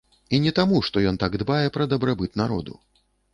І не таму, што ён так дбае пра дабрабыт народу.